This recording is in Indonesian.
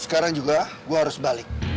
sekarang juga gue harus balik